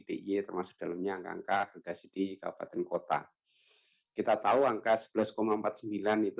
diy termasuk dalamnya angka angka agregasi di kabupaten kota kita tahu angka sebelas empat puluh sembilan itu